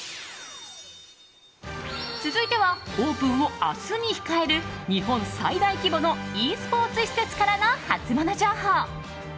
続いてはオープンを明日に控える日本最大規模のｅスポーツ施設からのハツモノ情報。